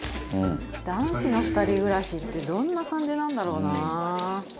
男子の二人暮らしってどんな感じなんだろうな？